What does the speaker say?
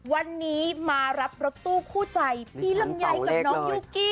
วันนี้มารับรถตู้คู่ใจพี่ลำไยกับน้องยุกกี้